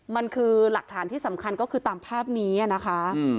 มันคือหลักฐานที่สำคัญก็คือตามภาพนี้นะคะ